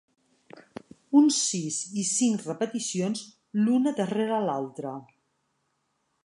Un sis i cinc repeticions l'una darrere l'altra.